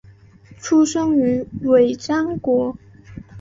出生于尾张国。